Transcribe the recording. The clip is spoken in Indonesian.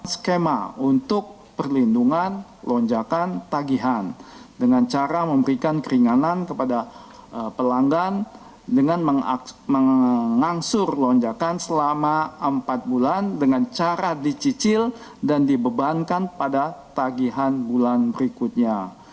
skema untuk perlindungan lonjakan tagihan dengan cara memberikan keringanan kepada pelanggan dengan mengangsur lonjakan selama empat bulan dengan cara dicicil dan dibebankan pada tagihan bulan berikutnya